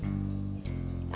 ah nomor satu lagi